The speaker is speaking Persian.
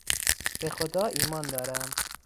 به خدا ایمان دارم.